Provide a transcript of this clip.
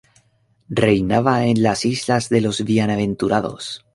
Reinaba en las Islas de los Bienaventurados.